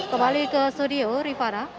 kembali ke studio rifara